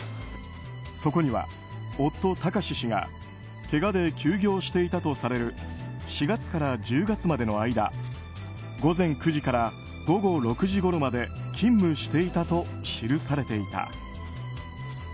そこには夫・貴志氏がけがで休業していたとされる４月から１０月までの間午前９時から午後６時ごろまで勤務していたと記されていた。